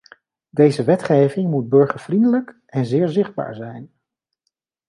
Deze wetgeving moet burgervriendelijk en zeer zichtbaar zijn.